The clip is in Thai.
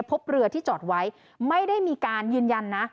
พบเรือที่จอดไว้ไม่ได้มีการยืนยันนะ